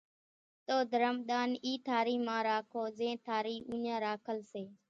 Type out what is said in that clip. تو ڌرم ۮان اِي ٿارِي مان راکو زين ٿارِي اُوڃان راکل سي،